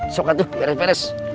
sokat tuh beres beres